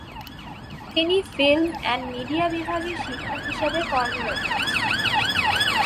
তিনি film and media বিভাগে শিক্ষক হিসেবে কর্মরত আছেন।